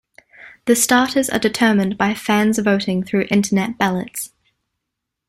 The starters are determined by fans voting through internet ballots.